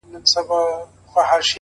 • د عِلم تخم ته هواري کړی د زړو کروندې,